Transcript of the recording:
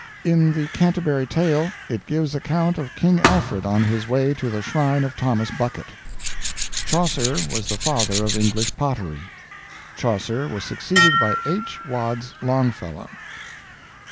"In the 'Canterbury Tale' it gives account of King Alfred on his way to the shrine of Thomas Bucket. "Chaucer was the father of English pottery. "Chaucer was succeeded by H. Wads. Longfellow."